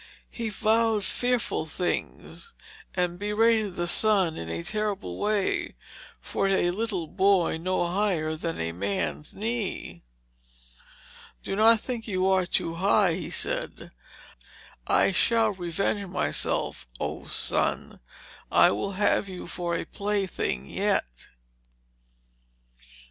He vowed fearful things, and berated the sun in a terrible way for a little boy no higher than a man's knee. "Do not think you are too high," said he; "I shall revenge myself. Oh, sun! I will have you for a plaything yet."